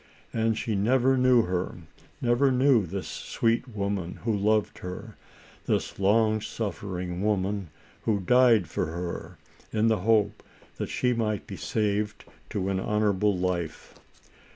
And she never knew her; never knew this sweet woman who loved her, this long suffering woman, who died for her, in the hope that she might be saved to an honorable life.